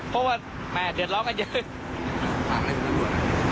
เพราะว่าแหม่เดี๋ยวเราก็เยอะ